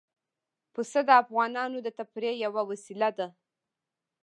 پسه د افغانانو د تفریح یوه وسیله ده.